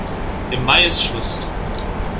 Im Mai ist Schluss!